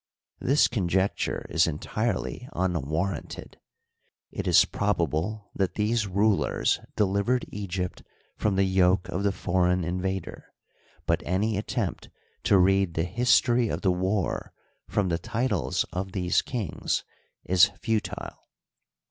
This conjecture is en tirely unwarranted. It is probable that these rulers de livered Egypt from the yoke of the foreign invader, but any attempt to read the history of the war from the titles of these kings is futile.